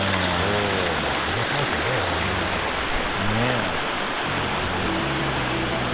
まぁありがたいけどね選んでいただいて。